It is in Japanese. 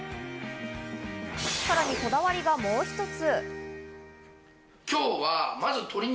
さらにこだわりがもう一つ。